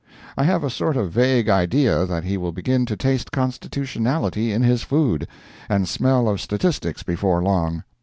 I have a sort of vague idea that he will begin to taste constitutionality in his food, and smell of statistics before long.